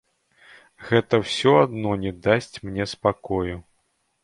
Гэта ўсё адно не дасць мне спакою.